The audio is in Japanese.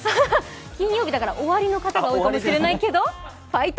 金曜日も終わりの方も多いかもしれないけどファイト。